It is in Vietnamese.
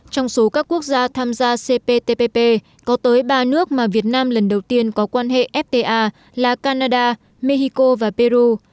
trong số các quốc gia tham gia cptpp có tới ba nước mà việt nam lần đầu tiên có quan hệ fta là canada mexico và peru